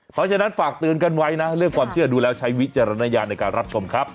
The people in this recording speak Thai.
เพราะฉะนั้นฝากเตือนกันไว้นะเรื่องความเชื่อดูแล้วใช้วิจารณญาณในการรับชมครับ